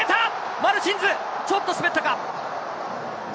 マルチンズ、ちょっと滑ったか。